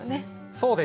そうです。